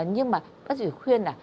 nhưng mà bác sĩ khuyên là